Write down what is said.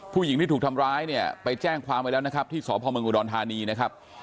ผู้หญิงที่ถูกทำร้ายเนี่ยไปแจ้งความไว้แล้วนะครับที่สพเมืองอุดรธานีนะครับ